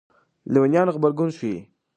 لېونیانو غبرګون ښيي.